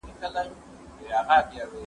زه کولای سم مينه وښيم!؟